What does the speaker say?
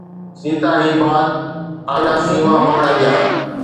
سيتا هي بات آينا سيما مرڻ اڳيان